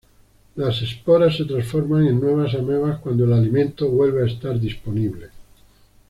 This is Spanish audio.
Las esporas se transforman en nuevas amebas cuando el alimento vuelve a estar disponible.